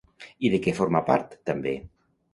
I de què forma part també?